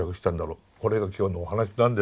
これが今日のお話なんですけども。